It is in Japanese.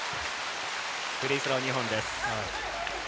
フリースロー２本です。